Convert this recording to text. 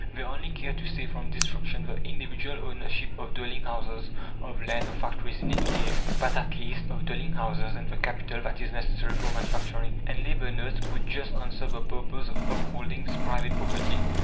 They only care to save from destruction the individual ownership of dwelling houses, of land, of factories; in any case that, at least, of dwelling houses and the capital that is necessary for manufacturing. And labour notes would just answer the purpose of upholding this private property.